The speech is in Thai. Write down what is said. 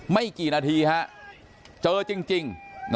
ไม่กี่นาทีฮะเจอจริง